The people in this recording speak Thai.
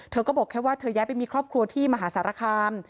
เธอก็บอกแค่ว่าเธอย้ายไปมีครอบครัวที่มหาสารคาม